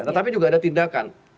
tetapi juga ada tindakan